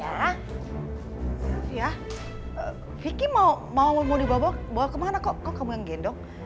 ya vya vicky mau dibawa kemana kok kamu yang gendong